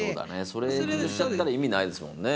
それで崩しちゃったら意味ないですもんね。